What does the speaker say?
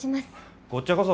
こっちゃこそ。